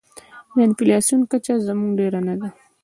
د انفلاسیون کچه زموږ ډېره نه ده.